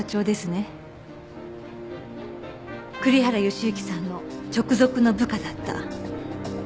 栗原善行さんの直属の部下だった。